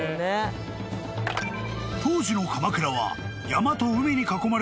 ［当時の鎌倉は］